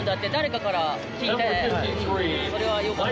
それはよかった。